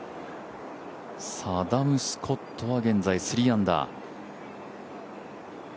アダム・スコットは現在３アンダー。